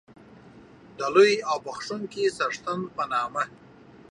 د لوی او بخښونکی څښتن په نامه